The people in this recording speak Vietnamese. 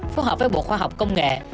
phù hợp với bộ khoa học công nghệ